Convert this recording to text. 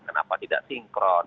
kenapa tidak sinkron